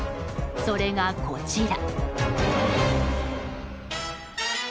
それが、こちら。